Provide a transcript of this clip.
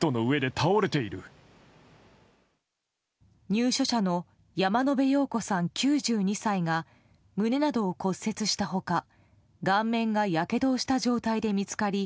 入所者の山野辺陽子さん、９２歳が胸などを骨折した他、顔面がやけどをした状態で見つかり